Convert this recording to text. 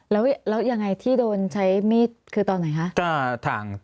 แล้วยังไงที่โดนใช้มีดคือตอนไหนคะ